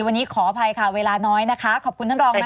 วันนี้ขออภัยค่ะเวลาน้อยนะคะขอบคุณท่านรองค่ะ